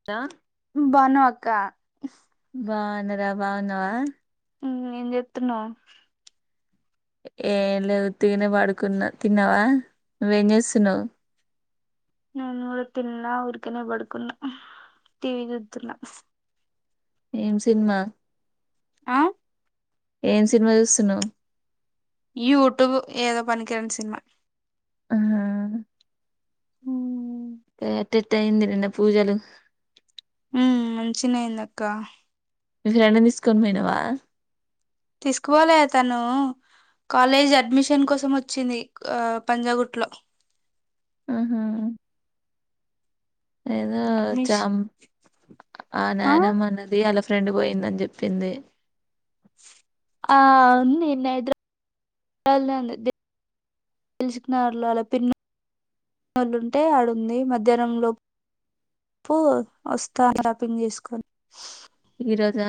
[inaudible] బావునవక్క బాగున్నర బాగున్నవా ఆ ఏం చేతున్నవ్ ఏమ్లేదు ఉత్తిగానే పడుకున్న తిన్నావా నువెంచేస్తున్నావ్ నేను కూడా తిన్నా ఊరికనే పడుకున్నా టీవీ చూతున్న ఏం సిన్మా ఆ ఏం సినిమా చూస్తున్నవ్ యూట్యూబ్ ఏదో పనికిరాని సినిమా ఆహా హ్మ్ ఎట్టేటయింది అయింది నిన్న పూజలు హ్మ్ మంచిన్నె అయిందక్క మీ ఫ్రెండ్ ని తీస్కొన్ పొయ్నవ తీసుకపోలే తను కాలేజ్ అడ్మిషన్ కోసం వచ్చింది ఆ పంజాగుట్ లో ఆహ ఏదో అడ్మిష్ జామ్ ఆ నాన్నమ్మ అన్నది ఆళ్ళ ఫ్రెండ్ పోయిందన్ జెప్పింది ఆ వుంది [inaudible] దిలీషుక్నగర్ లొ ఆళ పిన్ని వాలుంటే ఆడుంది మధ్యాహ్నం లోప్ ప్ వస్తాన్నది షాపింగ్ చేస్కొని ఈ రోజా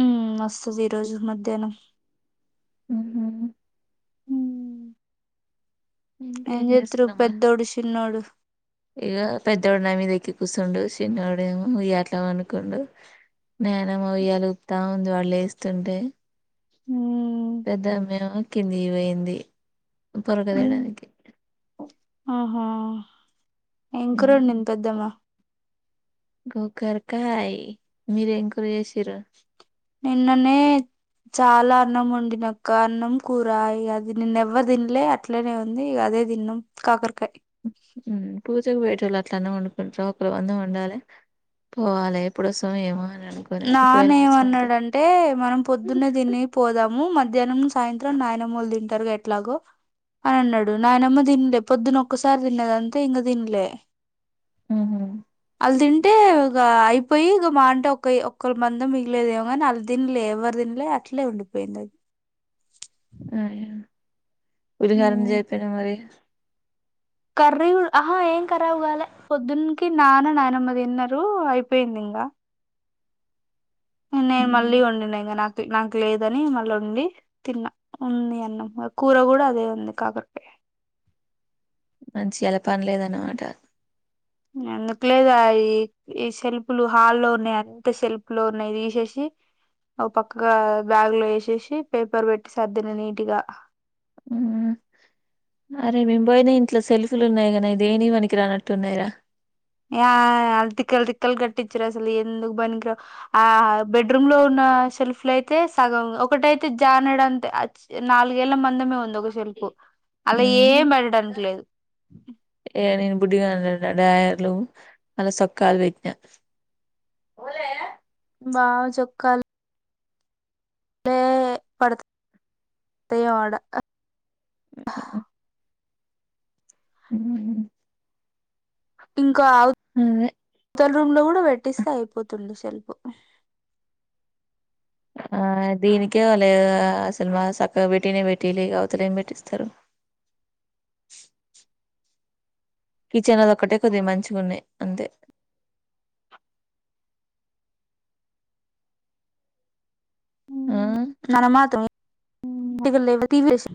ఉమ్ వస్తది ఈ రోజు మధ్యాహ్నం ఉహ్మ్ హు హ్మ్ ఏం ఇంకేం చెతుర్రు పెద్దోడు చిన్నోడు ఇగొ పెద్దోడు నా మీద ఎక్కి కూస్సుండు చిన్నోడేమో ఇగ అట్లా పండుకున్డు నాయనమ్మ ఉయ్యాలపుతా ఉంది వాడ్ లేస్తుంటే హ పెద్దమ్మేమో కిందికి పోయింది పొరక తేడానికి ఆహా ఏం కూర వండింది పెద్దమ్మా గోగర్కాయ్ మీరేం కూర చేసిర్రు నిన్ననే చాలా అన్నం వండినక్క అన్నం కూర యిగ అది నిన్న ఎవ్వరు తిన్లే అట్లనే ఉంది ఇగ అదే దిన్నం కాకరకాయ ఊ పూజకు పోయేటోల్లు అట్లనే వండుకుంటార ఒకరు మందం వండాలి పోవాలి ఎప్పుడు వస్తామో ఏమో అని అనుకో నాన్నేమన్నాడంటే అంటే మనం పొద్దున్నే తిని పోదాము మధ్యాహ్నం సాయంత్రం నాయనమోలు తింటారు ఎట్లాగో అని అన్నాడు నాయనమ్మ తిన్లే పొద్దున ఒక్కసారి తిన్నదంతే ఇంక తిన్లే వాళ్ళు తింటే ఇక అయిపోయి ఇక మాఅంటే ఒక ఒక ఒక్కళ మందం మిగిలేదేమోగాని వాళ్ళ దిలే ఎవరు తిలే అట్లే ఉండిపోయింది అది ఆ పులిహోర మ్మ్ చేయపోనావు మరి కర్రీ ఆహా ఏం కరాబు గాలే పొద్దునికి నాన్న నాయనమ్మదిన్నారు అయిపోయింది ఇంకా నేను మళ్ళీ వండిన ఇంకా నాకు నాకు లేదని మళ్ళీ వండి తిన్నా ఉంది అన్నం కూర కూడా అదే ఉంది కాకరకాయ మంచిగా ఇయ్యాల పనిలేదనమాట ఎందుకులేదు ఆ ఈ ఈ సెల్ఫలు హాల్లో ఉన్నాయి అంత సెల్ఫలో ఉన్నాయి తీసేసి ఓ పక్క బ్యాగ్లో వేసేసి పేపర్ పెట్టి సర్దినా నీట్గా ఉమ్, అరే మేము పోయినా ఇంట్లో సెల్ఫీలు ఉన్నాయి గానీ అయిదేనికి పనికిరానట్టు ఉన్నాయిరా ఆ అల్ తిక్కలు తిక్కలు కట్టిచ్చిరు అసలు ఎందుకు బనికి రావు ఆ బెడ్రూమ్లో ఉన్న షెల్ఫ్ అయితే సగం ఒకటైతే జానడంతే నాలుగేళ్ల మందమే ఉంది ఒక సెల్ఫ్ అల్లా ఉమ్, ఏం పెట్టడానికి లేదు ఏ నేను బుడ్డిగా అన్నా డాయర్లు అల్ల సొక్కాలు పెట్నా బావ చొక్కాల్ బే పడతయో ఆడ ఉ ఇంకా అ అదే అవతల రూమ్లో కూడా పెట్టిస్తే అయిపోతుంది సెల్ఫ్ ఆ దీనికే వాలే అసలు మా సక్క పెటినే పెట్టియలే అవతలేమి పెట్టిస్తారు కిచెన్ లో ఒక్కటే కొద్ది మంచిగా ఉన్నాయి అంతే ఆ మనం మాత్రం తడి గలే వేసి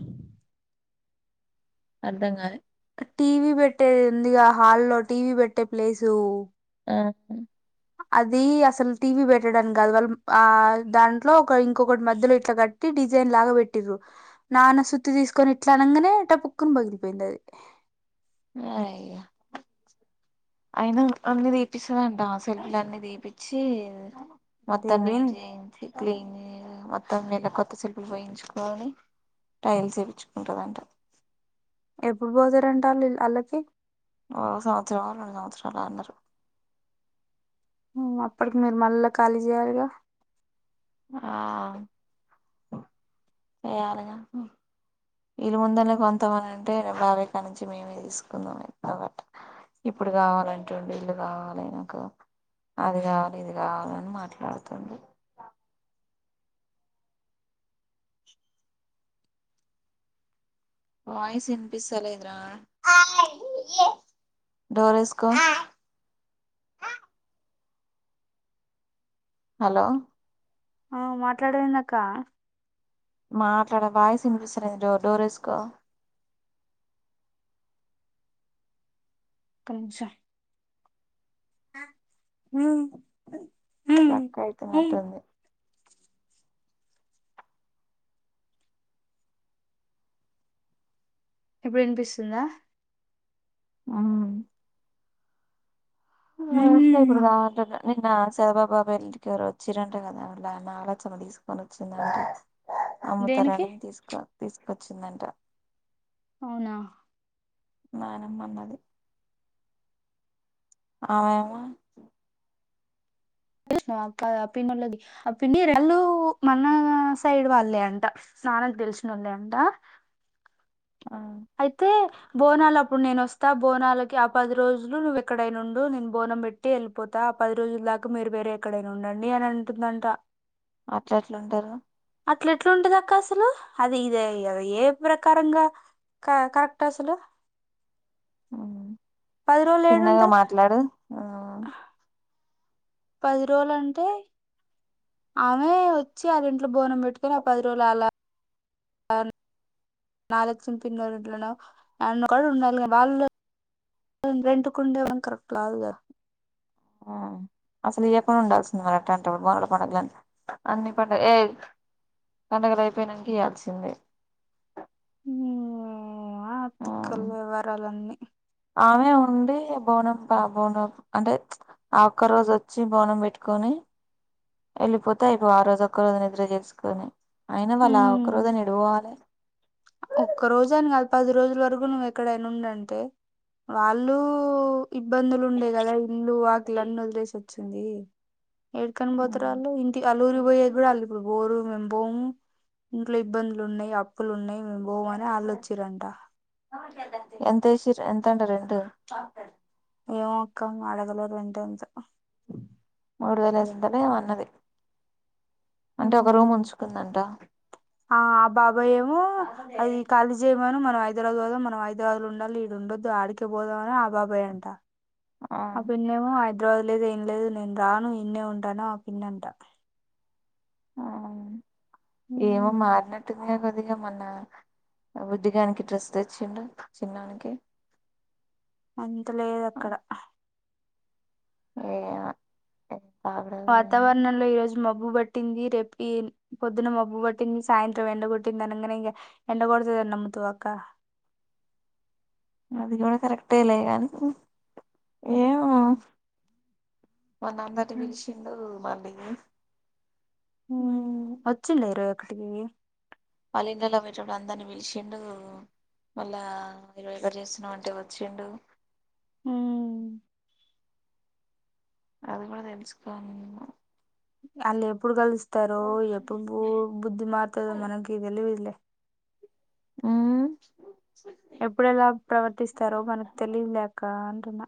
అర్ధంగాలే టీవీ పెట్టేది ఉందిగా హాల్లో టీవీ పెట్టే ప్లేసు ఆ అది అసలు టీవీ పెట్టడానికి కాదు వాళ్ళు ఆ దాంట్లో ఒక ఇంకొకటి మధ్యలో ఇట్లా కట్ డిజైన్ లాగా పెట్టిరు నాన్న సుత్తి తీసుకొని ఇట్లా అనగానేగ టప్పుక్కున పగిలిపోయింది అది అయ్యో అయిన అన్ని తీపిస్తాదంట ఆ సెల్ఫ్లన్ని తీపిచ్చి మొత్తం నీట్ దేపేంది చేయించి క్లీన్ చే మొత్తం ఇలా కొత్త సెల్పులు పోయించుకోని టైల్స్ ఏపిచ్చుకుంటదంటా ఎప్పుడు పోతారంట వాళ్ళు అళ్ళకి ఒక సంవత్సరమో రెండు సంవత్సరాలో అన్నారు అప్పటికి మీరు మళ్ళా ఖాళీ చేయాలిగా ఆ వేయాలగా వీళ్ళ ముందన్నే కొంతమంది ఉంటే బాబాయి కాన్నుంచి మేమే తీసుకుందాం అబట్ ఇప్పుడు కావాలంటుండి ఇల్లు కావాలి నాకు అది కావాలి ఇది కావాలని మాట్లాడుతుండు వాయిస్ ఇనిపిస్తలేదురా డోరెస్కో హలో ఆ మాట్లాడండి అక్క మాట్లాడే వాయిస్ ఇనిపిస్త లేదు డో డోరేస్కో ఒక నిమిషం హ స్ట్రక్ అయితునట్టుంది ఇప్పుడు ఇనిపిస్తుందా ఊ అమోస్తే ఇప్పుడు కాదంటున్న నిన్న సదబా బాబాయి వాళ్ళింటికి ఎవరో వచ్చిరంట కదా వాళ నాగా లచ్చమ్మ తీసుకొని వచ్చిందంట దేనికి అమ్ముతారని తీసుకు తీసుకొచ్చిందంట అవునా నయినమ్మన్నది ఆమేమో క సినవ అ ఆ పిళది అ పి రళ్లు మన సైడ్ వాళ్ళే అంట నాన్నకు తేలిసినోల్లె అంట ఆ అయితే బోనాలప్పుడు నేను వస్తా బోనాలకి ఆ పది రోజులు నువ్వు ఎక్కడైనా ఉండు నేను బోనం పె ట్టి వెళ్ళిపోతా ఆ పది రోజుల దాకా మీరు వేరే ఎక్కడైనా ఉండండి అని అంటుందంట అట్లా ఏట్లు ఉంటారు అట్ల ఎట్లా ఉంటది అక్క అసలు అది ఇది ఏ కదా ఏ ప్రకారంగా క కరెక్టసలు చిన్నగా మాట్లాడు ఆ పది రోజులంటే ఆమె వచ్చి వాళ్ళ ఇంట్లో బోనం పెట్టుకొని ఆ పది రోజులు అలా ఆ నాగలక్ష్మి పిన్నోళ్లింట్లనో ఏన్నోకాడుండాలి కానీ వాళ్ళ రెంట్ కుండేవం కరక్ట్లాదుగా ఆ అసలియకుండా ఉండాల్సింది మన ఎట్లాంట బోనాల పండగకి గానీ అన్ని పండుగ ఏ పండగలు అయిపోయినంక ఇయాల్సింది ఉమ్, ఆ తిక్కల వ్యవహారాలన్నీ ఆమె ఉండే బోనం ఆ బోనం అంటే ఆ ఒక్క రోజొచ్చి బోనం పెట్టుకొని వెళ్ళిపోతా ఆ రోజు ఒక్క రోజు నిద్ర చేసుకొని అయినా వాళ్ళు ఆ ఒక్క రోజు అయినా ఎటు పోవాలే ఒక్క రోజు అని కాదు పది రోజుల వరకు నువ్వు ఎక్కడైనా ఉండు అంటే వాళ్ళు ఇబ్బందులు ఉండే కదా ఇల్లు వాకిలన్నీ వదిలేసి వచ్చింది ఏడుకని పోతారు ఉమ్, వాళ్ళు ఇంటికి ఆళ్ల ఊరి పోయేది కూడా వాళ్ళు ఇప్పుడు పోరు మేము బోము ఇంట్లో ఇబ్బందులు ఉన్నాయి అప్పులు ఉన్నాయి మేము బోమ్ అని ఆల్లోచ్చిరంట ఎంతేశిర్రు ఎంతంటా రెంటు. ఏమో అక్క అడగలేదు రెంట్ ఎంతే మూడు వేల ఐదు వందలేమో అన్నది అంటే ఒక రూమ్ ఉంచుకుందంటా. ఆ ఆ బాబాయేమో అది కాలీ జేయమను మనం హైదరాబాద్ పోదాం, మనం హైదబాద్లో ఉండాలి ఇడ ఉండొద్దు ఆడికే పోదామని ఆబాబాయి అంటా. ఆ పిన్నేమో హైదరాబాద్ లేదు ఏం లేదు నేను రాను ఇన్నే ఉంటా అని ఆ పిన్ని అంటా. ఆ ఏమో ఉమ్, మారినట్టు ఉంది కదా అదిగా మొన్నా బుడ్డిగానికి డ్రెస్ తెచ్చిండు చిన్నోనికి. అంత లేదు అక్కడ. ఏమో వాతావరణంలో ఈ రోజు మబ్బుబ ట్టింది, రేపు ఈ పొద్దున మబ్బు పట్టింది సాయంత్రం ఎండగొట్టింది అనంగనే ఇగ ఎండ కొడతదని నమ్ముతవా అక్క. అది కూడా కరెక్టేలే కానీ ఏమో మొన్న అందరిని పిలిశిండు మందిని. హ్ వచ్చిళ్ళా ఇరవై ఒకటికి. వాళ్ళ ఇండ్లల్లకు పోయేటప్పుడు అందరినీ పిలిశిండు మళ్ళా ఇరవై ఒకటి చేస్తున్నాం అంటే వచ్చిండు. హ్ అది కూడా తెలుసుకో ఆళ్ళు ఎప్పుడు కలుస్తరో ఎప్పుడు బు బుద్ధి మార్తదో మనకి తెలివదిలే. ఉ ఎప్పుడెలా ప్రవర్తిస్తరో మనకు తెలివిలే అక్కా అంటున్నా.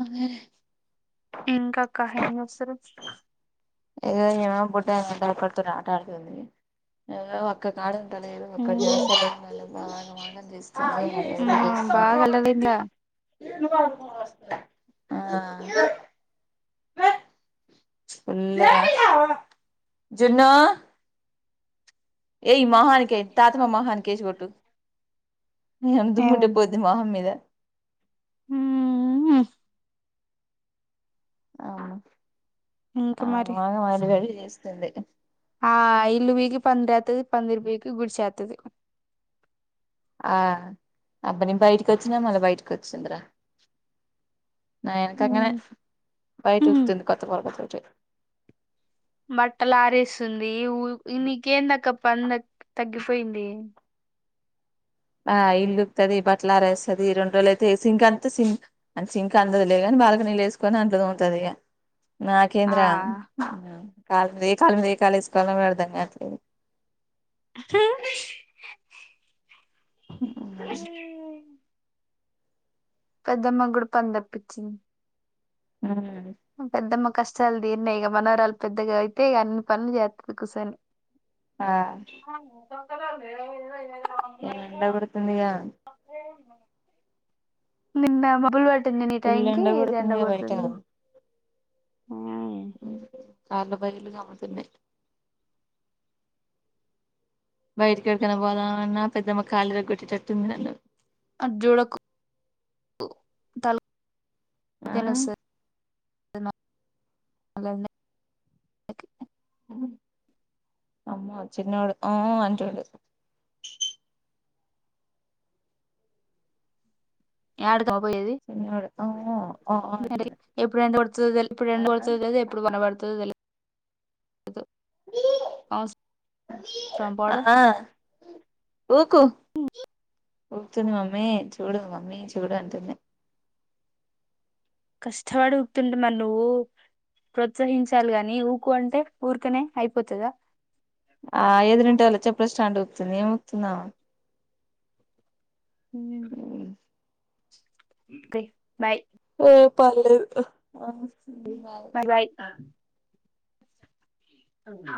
అదేలే ఇంకా అక్క ఎం చేస్తుర్రు? ఇగో ఈమె బుడ్డామే డైపర్ తోని ఆట ఆడుతుంది ఏదో ఒక ఒక్కకాడ ఉంటలేదు ఉమ్, [inaudible] ఆగం ఆగంగా చేస్తుంది అమ్మా, బాగా అల్లరైందిగా [inaudible] ఆ ఫుల్లు జున్నూ ఏయి మొహానికెయ్ తాతమ్మ మొహానికి ఏసి కొట్టు ఎదన్నా దుమ్ముంటే ఏమైంది పో ద్ది మొహం మీద. ఉహ్ అవును ఇంక మరి ఆగమాగం అంగడి చేస్తుంది. ఆ ఇల్లు పీకి పందరి ఎత్తది, పందిర్ పీకి గుడిసేత్తది. ఆ అబ్బ నేను బయటికి వచ్చినా మళ్ళ బయటకి వచ్చిందిరా. నా ఎనకంగనే ఉమ్. బయట ఊకుతుంది కొత్త పోరక తోటి. బట్టలు ఆరేస్తుంది, ఊ నీకెంది అక్క పని తగ్గిపోయింది. ఆ ఇల్లు ఊకుతది, బట్టలు ఆరేస్తది రెండు రోజు అయితే సింక అంత సిం ఆ సింక్ అందదులే కానీ బాల్కనీలో ఏసుకొని అంట్లు తోముతది ఇగ. ఆ నాకేంద్రా ఇంగా కాలుమీద ఏ కాలుమీద ఏ కాలు ఎసుకోవాల్నో అర్ధం కాట్లేదు. హ ఉహ్ మంచి ఈ పెద్దమ్మ కూడా పని తప్పించింది. హ్మ్ పెద్దమ్మ కష్టాలు తీరినాయి గా మనవరాలు పెద్దగా అయితే ఇక అన్ని పనులు చెత్తాది కుసోనీ ఆ [unintelligible] హ్మ్ బెదురుతుందిగా అని నిన్న మొదలు నిన్న ఈ ఫుల్ టైంకి ఎండ కొడుతుందిగా బయట కొడుతుంది కళ్లు బైర్లు కమ్ముతున్నయి బయటకి ఎక్కడికైన పోదామన్న పెద్దమ్మ కాళ్ళు ఇరగ కొట్టేటట్టుంది నన్ను అట జుడకు ఆ తలకాయ నొస్తాది [unintelligible] బలే ఉంది అమ్మో చిన్నోడు ఆ అంటుండు యాడికి అవ్వ పోయేది చిన్నోడు ఆ మరి అంటాడు ఎప్పుడు ఎండ పడుతుందో తెలిద్ ఎప్పుడు ఎండ ఆ పడుతుందో తెలియద్ ఎప్పుడు వాన పడుతుందో తెలియద్ అవసరమా పోవడం ఆ ఊకో ఊపూతుంది మమ్మీ చూడు మమ్మీ చూడు అంటుంది కష్టపడి ఊపుతుండే మరి నువ్వు ప్రోత్సహించాలి గాని ఊకో అంటె ఊరికనే అయిపోతాద ఆ ఎదురింటోళ్ళ చెప్పుల స్టాండ్ ఊపుతుంది ఏం ఊపుతుంద ఆమె హ్మ్ తి బాయ్ ఏ పాలు మ బాయ్ అవునా